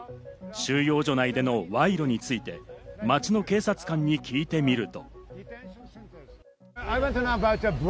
収容所内での賄賂について、街の警察官に聞いてみると。